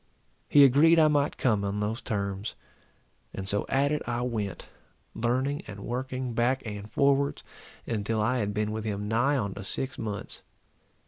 He agreed I might come on those terms; and so at it I went, learning and working back and forwards, until I had been with him nigh on to six months.